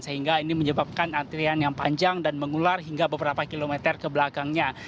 sehingga ini menyebabkan antrian yang panjang dan mengular hingga beberapa kilometer ke belakangnya